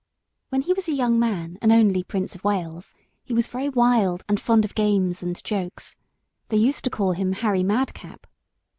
When he was a young man, and only Prince of Wales, he was very wild and fond of games and jokes. They used to call him Harry Madcap.